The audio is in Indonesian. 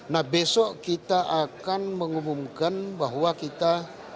nah besok kita akan mengumumkan bahwa kita